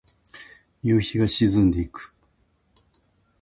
夕日が沈んでいく。